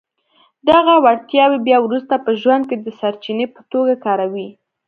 دغه وړتياوې بيا وروسته په ژوند کې د سرچینې په توګه کاروئ.